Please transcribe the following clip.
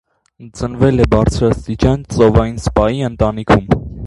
Ծնվել է բարձրաստիճան ծովային սպայի ընտանիքում։